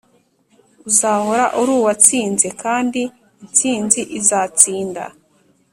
uzahora uri uwatsinze, kandi intsinzi izatsinda.